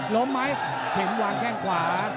ล้มไหมเข็มวางแข้งขวา